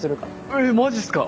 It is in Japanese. えっマジっすか？